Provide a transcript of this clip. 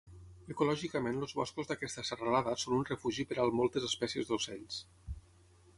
Ecològicament els boscos d'aquesta serralada són un refugi per al moltes espècies d'ocells.